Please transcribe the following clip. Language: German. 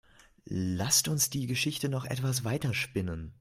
Lasst uns die Geschichte noch etwas weiter spinnen.